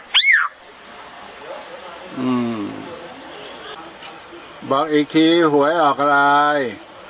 อืมบอกอีกคริ่งที่หัวให้ออกอะไร